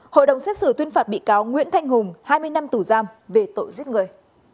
hội đồng xét xử tuyên phạt bị cáo nguyễn thanh hùng hai mươi năm tù giam về tội giết người